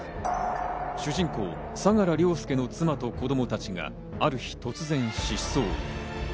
主人公・相良凌介の妻と子供たちがある日、突然失踪。